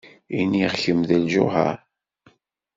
Iniɣ-kem d lǧuher.